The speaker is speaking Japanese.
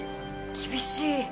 厳しい。